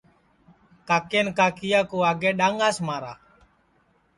کاکین کاکِیا کُو آگے ڈؔانگاس مارا